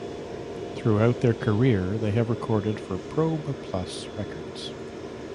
Throughout their career, they have recorded for Probe Plus records.